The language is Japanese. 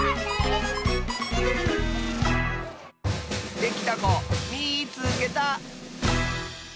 できたこみいつけた！